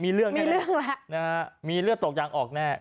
มีเรื่องแน่มีเลือดตกยางออกแน่